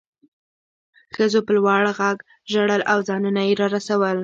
ښځو په لوړ غږ ژړل او ځانونه یې راورسول